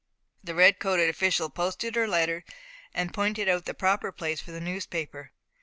The red coated official posted her letter, and pointed out the proper place for the newspaper.